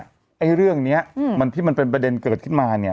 ไอ้เรื่องนี้มันที่มันเป็นประเด็นเกิดขึ้นมาเนี่ย